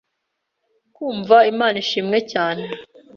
kumva, Imana ishimwe cyane.